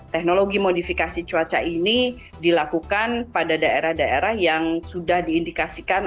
teknologi modifikasi cuaca ini dilakukan pada daerah daerah yang sudah diindikasikan